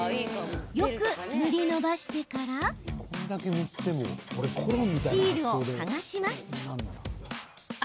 よく塗りのばしてからシールを剥がします。